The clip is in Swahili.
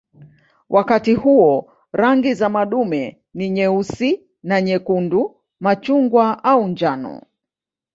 Wakati huo rangi za madume ni nyeusi na nyekundu, machungwa au njano.